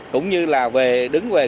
cũng như là đứng về góc